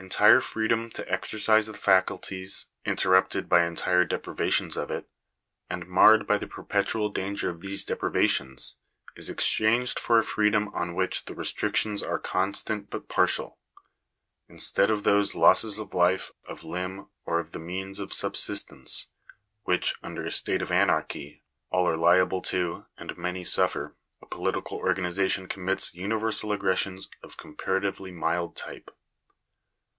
Entire freedom to exercise the faculties, inter rupted by entire deprivations of it, and marred by the perpetual danger of these deprivations, is exchanged for a freedom on which the restrictions are constant but partial. Instead of those losses of life, of limb, or of the means of subsistence, which, under a state of anarchy, all are liable to, and many suffer, a political organization commits universal aggressions of a comparatively mild type.